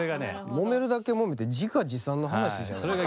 もめるだけもめて自画自賛の話じゃないですか。